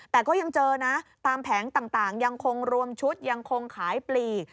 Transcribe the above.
แต่ก็ยังเจอนะตามแผงต่างยังคงรวมชุดยังคงขายปลีก